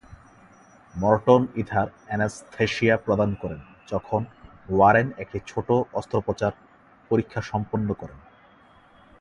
মর্টন ether anaesthesia প্রদান করেন, যখন ওয়ারেন একটি ছোট অস্ত্রোপচার প্রক্রিয়া সম্পন্ন করেন।